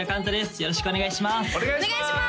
よろしくお願いします